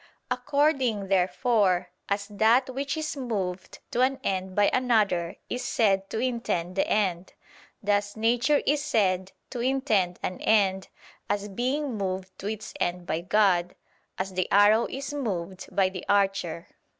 According, therefore, as that which is moved to an end by another is said to intend the end, thus nature is said to intend an end, as being moved to its end by God, as the arrow is moved by the archer.